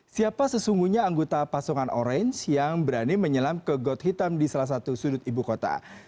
siapa sesungguhnya anggota pasungan orange yang berani menyelam ke got hitam di salah satu sudut ibu kota